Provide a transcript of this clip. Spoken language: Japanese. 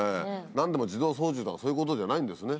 何でも自動操縦とかそういうことじゃないんですね。